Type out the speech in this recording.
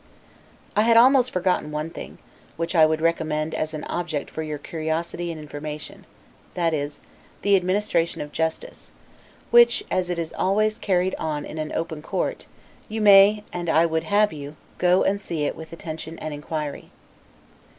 I had almost forgotten one thing, which I would recommend as an object for your curiosity and information, that is, the administration of justice; which, as it is always carried on in open court, you may, and I would have you, go and see it with attention and inquiry.